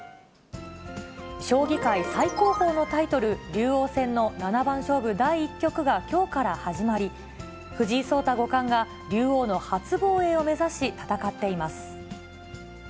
将棋界最高峰のタイトル、竜王戦の七番勝負第１局がきょうから始まり、藤井聡太五冠が、竜王の初防衛を目指し、戦っています。